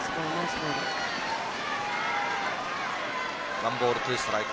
１ボール１ストライク。